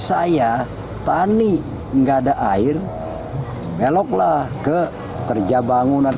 saya tani nggak ada air meloklah ke kerja bangunan